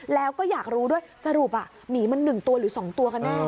แล้วก็อยากรู้ด้วยสรุปหมีมัน๑ตัวหรือ๒ตัวกันแน่